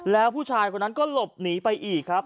แล้วผู้ชายคนนั้นก็หลบหนีไปอีกครับ